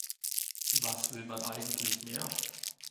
Was will man eigentlich mehr?